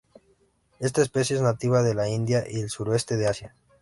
Esta especie es nativa de la India y el sureste de Asia.